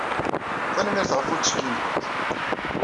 Tanemmirt ɣef uttekki-nwent.